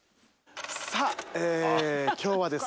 さぁ今日はですね